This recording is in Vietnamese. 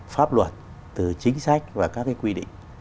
pháp luật từ chính sách và các cái quy định